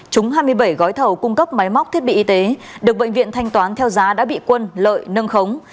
chúng hai mươi bảy gói thầu cung cấp máy móc thiết bị y tế được bệnh viện thanh toán theo giá đã bị quân lợi nâng khống